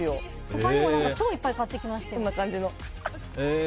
他にも超いっぱい買ってきましたよ。